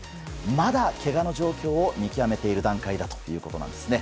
まだけがの状況を見極めている段階だということなんですね。